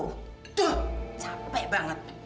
duh capek banget